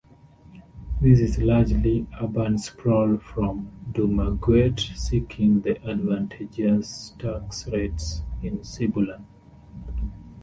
This is largely urban sprawl from Dumaguete seeking the advantageous tax rates in Sibulan.